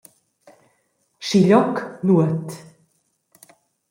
Schiglioc nuot.